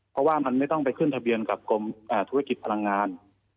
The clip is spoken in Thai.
เพราะว่ามันไม่ต้องไปขึ้นทะเบียนกับกรมธุรกิจพลังงาน